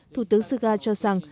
thủ tướng suga cho rằng